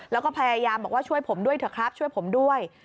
แล้วก็พยายามบอกว่าช่วยผมด้วยเถอะครับช่วยผมด้วย